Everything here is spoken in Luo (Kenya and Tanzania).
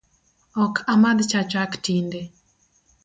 Ok amadh cha chak tinde